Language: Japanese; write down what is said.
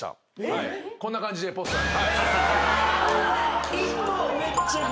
こんな感じでポスター。